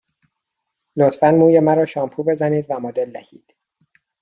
لطفاً موی مرا شامپو بزنید و مدل دهید.